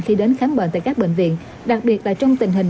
khi đến khám bệnh tại các bệnh viện đặc biệt là trong tình hình